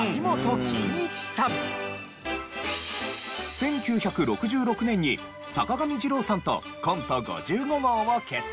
１９６６年に坂上二郎さんとコント５５号を結成。